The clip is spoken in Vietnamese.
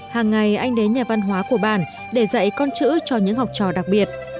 hàng ngày anh đến nhà văn hóa của bản để dạy con chữ cho những học trò đặc biệt